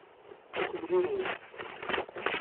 Ad temlellim.